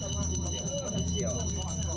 tapi kita neu di sini